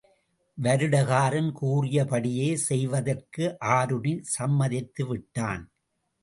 வருடகாரன் கூறியபடியே செய்வதற்கு ஆருணி சம்மதித்துவிட்டான்.